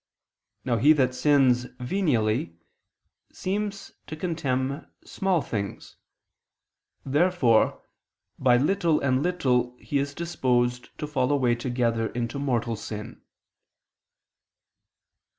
Now he that sins venially seems to contemn small things. Therefore by little and little he is disposed to fall away together into mortal sin.